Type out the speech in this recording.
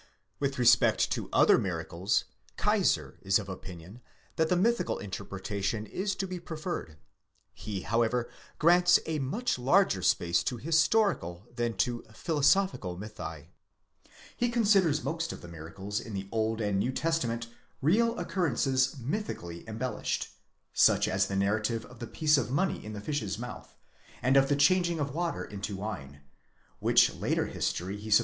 With respect to other miracles Kaiser is of opinion that the mythical inter pretation is to be preferred; he, however, grants a much larger space to historical, than to philosophical mythi, He considers most of the miracles in the Old and New Testament real occurrences mythically embellished : such as the narrative of the piece of money in the fish's mouth; and of the changing of water into wine: which latter history he supposes to have originated from a friendly jest on the part of Jesus.